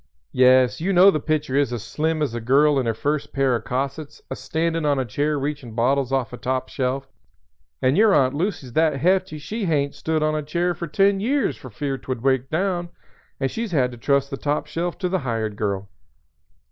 "Yes, you know the picture is as slim as a girl in her first pair o' cossets a standin' on a chair a reachin' bottles off a top shelf, and your Aunt Lucy's that hefty she hain't stood on a chair for ten years for fear 'twould break down, and she's had to trust the top shelf to the hired girl.